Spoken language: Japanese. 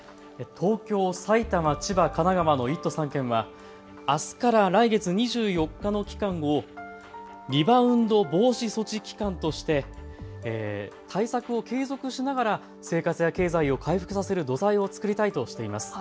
東京、埼玉、千葉、神奈川の１都３県はあすから来月２４日の期間をリバウンド防止措置期間として対策を継続しながら生活や経済を回復させる土台を作りたいとしています。